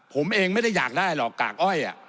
ผมเองไม่ได้อยากได้หรอกกากอ้อย